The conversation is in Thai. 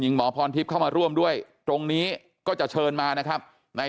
หมอพรทิพย์เข้ามาร่วมด้วยตรงนี้ก็จะเชิญมานะครับใน